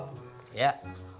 lo sampein ke masjid